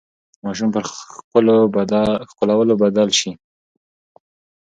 ماشوم پر ښکلولو بدل شي.